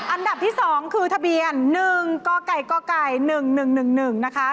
อันดับที่๒คือทะเบียน๑ก็ไก่ก็ไก่๑๑๑๑นะคะ